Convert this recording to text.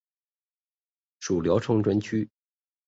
属聊城专区。